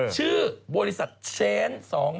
ชื่อบริษัทเชน๒๕๖